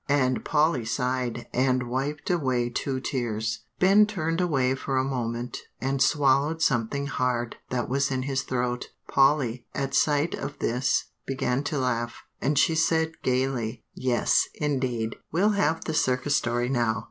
And Polly sighed, and wiped away two tears. Ben turned away a moment, and swallowed something hard that was in his throat. Polly, at sight of this, began to laugh; and she said gayly, "Yes, indeed, we'll have the Circus story now.